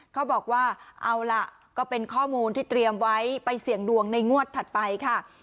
เขาบอกว่าเอาล่ะก็เป็นข้อมูลที่เตรียมไว้ไปเสี่ยงดวงในงวดถัดไปค่ะ